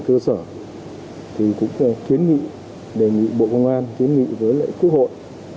cơ sở thì cũng kiến nghị đề nghị bộ công an kiến nghị với quốc hội